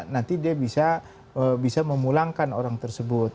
nanti dia bisa memulangkan orang tersebut